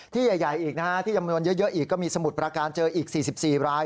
ที่ใหญ่อีกนะฮะที่จำนวนเยอะอีกก็มีสมุทรประการเจออีก๔๔ราย